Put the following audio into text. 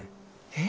え？